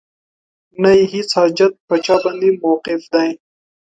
نه یې هیڅ حاجت په چا باندې موقوف دی